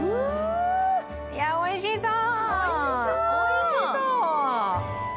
いや、おいしそう。